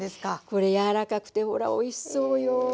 これ柔らかくてほらおいしそうよ。